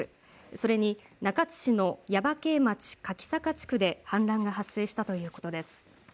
それに中津市の耶馬渓町柿坂地区で氾濫が発生したということです。